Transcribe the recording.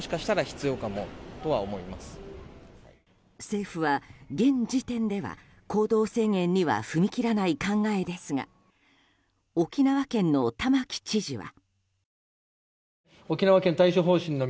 政府は現時点では行動制限には踏み切らない考えですが沖縄県の玉城知事は。